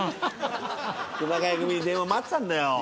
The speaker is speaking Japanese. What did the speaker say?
熊谷組で電話待ってたんだよ。